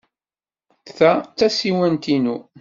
Ta d tasiwant-inu.